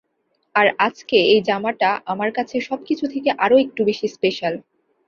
আর আজকে এই জামাটা আমার কাছে সবকিছুর থেকে আরও একটু বেশি স্পেশাল।